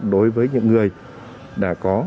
đối với những người đã có